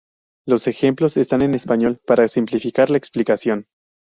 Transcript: Los ejemplos están en español para simplificar la explicación.